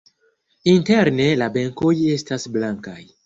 Interne la benkoj estas blankaj.